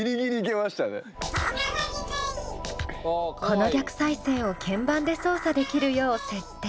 この逆再生を鍵盤で操作できるよう設定。